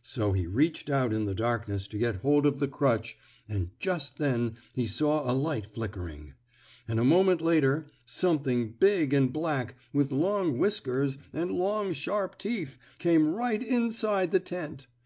So he reached out in the darkness to get hold of the crutch and just then he saw a light flickering. And a moment later something big and black, with long whiskers, and long sharp teeth, came right inside the tent.